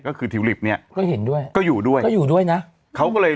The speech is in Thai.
ก็คือทิวลิปเนี้ยก็เห็นด้วยก็อยู่ด้วยก็อยู่ด้วยนะเขาก็เลย